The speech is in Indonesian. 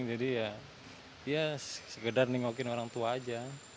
jadi ya sekedar nengokin orang tua aja